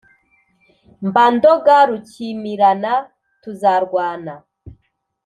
mba ndoga rukimirana tuzarwana